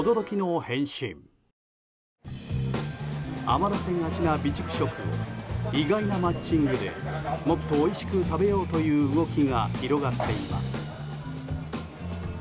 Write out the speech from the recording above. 余らせがちな備蓄食を意外なマッチングでもっとおいしく食べようという動きが広がっています。